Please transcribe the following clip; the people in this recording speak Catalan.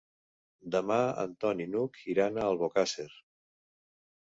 Demà en Ton i n'Hug iran a Albocàsser.